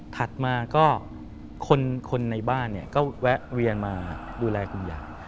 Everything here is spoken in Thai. ถัดมาก็คนในบ้านก็แวะเวียนมาดูแลคุณยาย